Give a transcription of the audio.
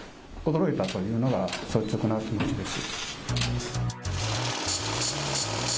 驚いたというのが、率直な気持ちです。